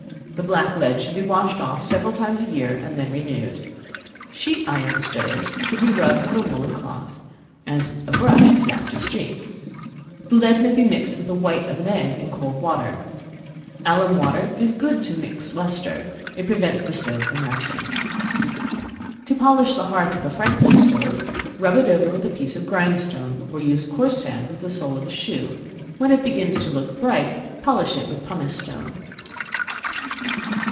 The black lead should be washed off several times a year, and then renewed. Sheet iron stoves should be rubbed with a woollen cloth, as a brush is apt to streak. The lead may be mixed with the white of an egg in cold water. Alum water is good to mix lustre; it prevents the stove from rusting. To polish the hearth of a Franklin stove, rub it over with a piece of grindstone, or use coarse sand with the sole of a shoe; when it begins to look bright, polish it with pumice stone.